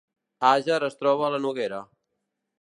Àger es troba a la Noguera